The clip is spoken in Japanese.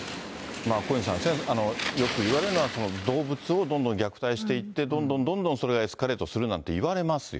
小西さん、よく言われるのは、動物をどんどん虐待していって、どんどんどんどんそれがエスカレートするなんてこと言われますよ